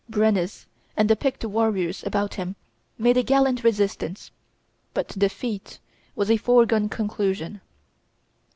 Brennus and the picked warriors about him made a gallant resistance, but defeat was a foregone conclusion.